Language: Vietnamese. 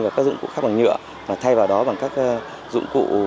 và các dụng cụ khác bằng nhựa thay vào đó bằng các dụng cụ